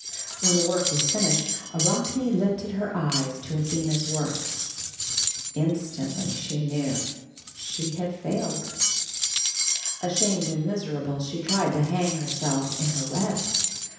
When the work was finished Arachne lifted her eyes to Athena's work. Instantly she knew that she had failed. Ashamed and miserable she tried to hang herself in her web.